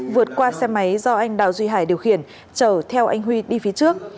vượt qua xe máy do anh đào duy hải điều khiển chở theo anh huy đi phía trước